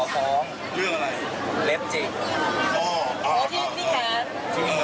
จริงหน่อยตรงนี้เลยแค่ทุกนี้